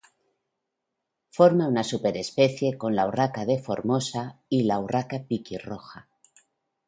Forma una superespecie con la urraca de Formosa y la urraca piquirroja.